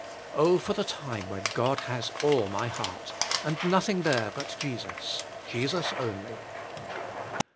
Oh, for the time when God has all my heart; and nothing there but Jesus, Je sus only."